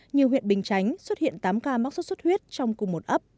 nhiều huyện bình chánh xuất hiện tám ca mắc xuất xuất huyết trong cùng một ấp